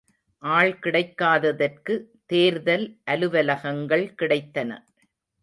ஆள் கிடைக்காததற்கு தேர்தல் அலுவலகங்கள் கிடைத்தன.